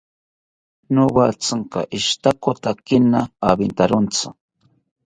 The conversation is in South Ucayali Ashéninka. Nowatzinka eshitakotakina awintawontzi